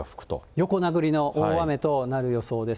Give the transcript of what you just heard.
横殴りの大雨となる予想です。